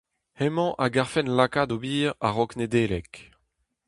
Hemañ a garfen lakaat ober a-raok Nedeleg.